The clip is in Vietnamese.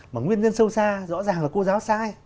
mà nguyên nhân sâu xa rõ ràng là cô giáo sai